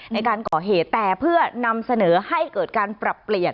ในการก่อเหตุแต่เพื่อนำเสนอให้เกิดการปรับเปลี่ยน